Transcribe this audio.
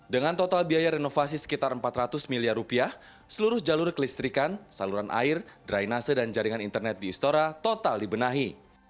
dengan total biaya renovasi sekitar empat ratus miliar rupiah seluruh jalur kelistrikan saluran air drainase dan jaringan internet di istora total dibenahi